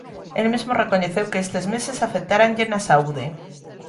El mesmo recoñeceu que estes meses afectáranlle na saúde.